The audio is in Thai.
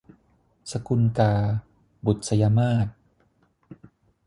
สกุลกา - บุษยมาส